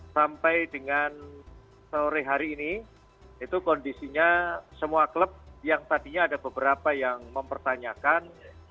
sampai dengan sore hari ini itu kondisinya semua klub yang tadinya ada beberapa yang mempertanyakan